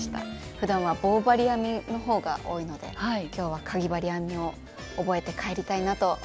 ふだんは棒針編みの方が多いので今日はかぎ針編みを覚えて帰りたいなと思ってます。